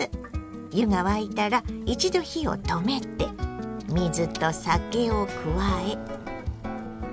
湯が沸いたら一度火を止めて水と酒を加えかき混ぜます。